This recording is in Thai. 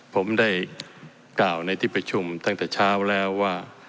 ผมได้กล่าวในที่ประชุมตั้งแต่เช้าแล้วว่า